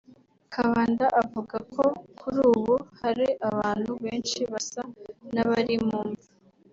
Kabanda avuga ko kuri ubu hari abantu benshi basa n’abari mu mva